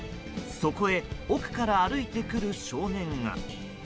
そこへ、奥から歩いてくる少年が。